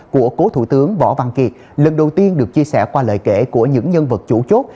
của cố thủ tướng võ văn kiệt lần đầu tiên được chia sẻ qua lời kể của những nhân vật chủ chốt